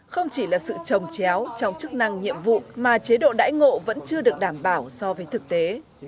không chỉ là sự trồng chéo trong chức năng nhiệm vụ mà chế độ đãi ngộ vẫn chưa được đảm bảo so với thực tế